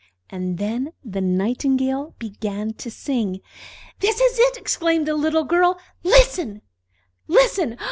And then the Nightingale began to sing. "That is it!" exclaimed the little Girl. "Listen, listen!